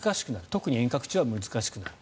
特に遠隔地は難しくなる。